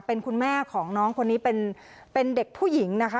เป็นคุณแม่ของน้องคนนี้เป็นเด็กผู้หญิงนะคะ